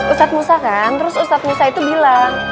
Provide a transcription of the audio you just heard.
ustaz musa kan terus ustaz musa itu bilang